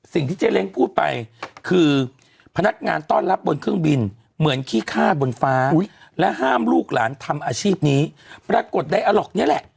เจ๊เล้งพูดไปคือพนักงานต้อนรับบนเครื่องบินเหมือนขี้ฆ่าบนฟ้าและห้ามลูกหลานทำอาชีพนี้ปรากฏไดอาล็อกเนี่ยแหละ